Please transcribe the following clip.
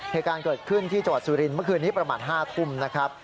เหตุการณ์เกิดขึ้นที่จังหวัดสุรินทร์เมื่อคืนนี้ประมาณ๕ทุ่มนะครับ